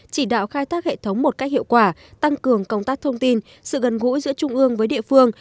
chỉ đạo khai thác hệ thống một cách hiệu quả tăng cường công tác thông tin sự gần gũi giữa trung ương với địa phương